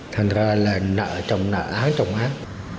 thành ra là nợ trồng nợ án trồng án